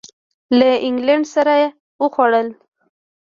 له اینګلینډ سره وخوړل.